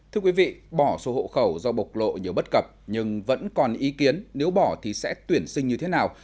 thưa quý vị bỏ số hộ khẩu do bộc lộ nhiều bất cập nhưng vẫn còn ý kiến nếu bỏ thì sẽ tuyển sinh như thế nào